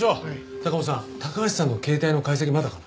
高尾さん高橋さんの携帯の解析まだかな？